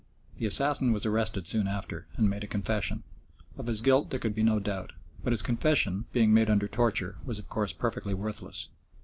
The assassin was arrested soon after, and made a confession. Of his guilt there could be no doubt, but his confession being made under torture was of course perfectly worthless.